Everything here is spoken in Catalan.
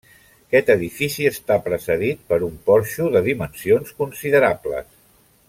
Aquest edifici està precedit per un porxo de dimensions considerables.